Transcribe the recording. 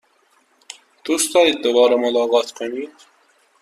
دوست دارید دوباره ملاقات کنید؟